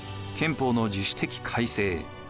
憲法の自主的改正